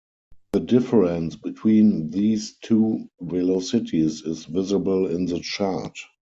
The difference between these two velocities is visible in the chart.